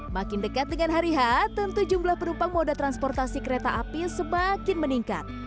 makin dekat dengan hari h tentu jumlah penumpang moda transportasi kereta api semakin meningkat